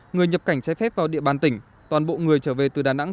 người nhập cảnh trái phép vào địa bàn tỉnh toàn bộ người trở về từ đà nẵng